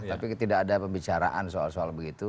tapi tidak ada pembicaraan soal soal begitu